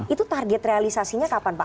itu target realisasinya kapan pak